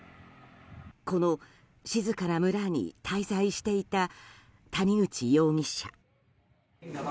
この静かな村に滞在していた谷口容疑者。